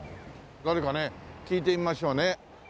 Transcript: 誰かね聞いてみましょうね。